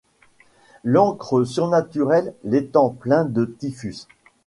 L’antre surnaturel, l’étang plein de typhus